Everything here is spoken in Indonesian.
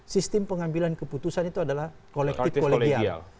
sistem pengambilan keputusan itu adalah kolektif kolegial